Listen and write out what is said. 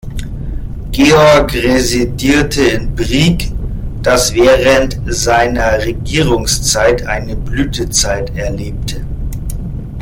Georg residierte in Brieg, das während seiner Regierungszeit eine Blütezeit erlebte.